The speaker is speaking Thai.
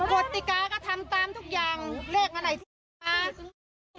ปฏิกาก็ทำตามทุกอย่างเลขมาไหนมา